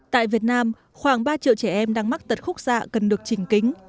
tại việt nam khoảng ba triệu trẻ em đang mắc tật khúc xạ cần được trình kính